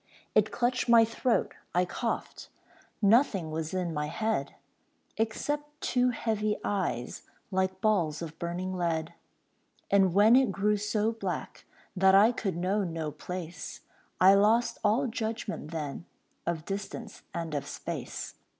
It clutched my throat, I coughed; Nothing was in my head Except two heavy eyes Like balls of burning lead. And when it grew so black That I could know no place, I lost all judgment then, Of distance and of space.